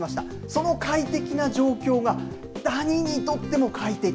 その快適な状況がだににとっても快適。